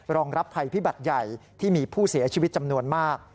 รองรับภัยพิบัติใหญ่ที่มีผู้เสียชีวิตจำนวนมาก